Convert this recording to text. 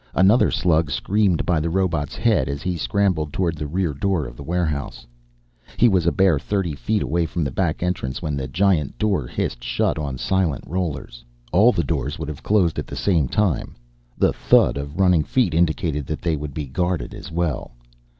Another slug screamed by the robot's head as he scrambled toward the rear door of the warehouse. He was a bare thirty feet away from the back entrance when the giant door hissed shut on silent rollers. All the doors would have closed at the same time, the thud of running feet indicated that they would be guarded as well.